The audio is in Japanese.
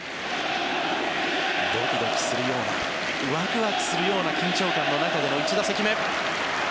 ドキドキするようなワクワクするような緊張感の中での１打席目。